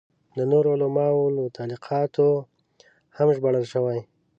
د نورو علماوو له تالیفاتو هم ژباړل شوي.